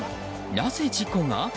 なぜ事故が？